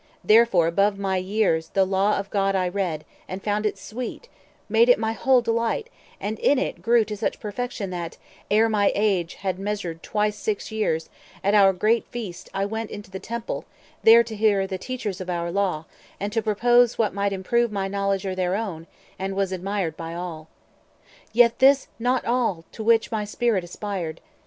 Therefore, above my years, The Law of God I read, and found it sweet; Made it my whole delight, and in it grew To such perfection that, ere yet my age Had measured twice six years, at our great Feast 210 I went into the Temple, there to hear The teachers of our Law, and to propose What might improve my knowledge or their own, And was admired by all. Yet this not all To which my spirit aspired.